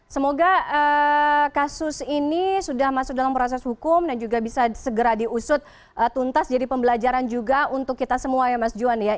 semoga kasus ini sudah masuk dalam proses hukum dan juga bisa segera diusut tuntas jadi pembelajaran juga untuk kita semua ya mas juan ya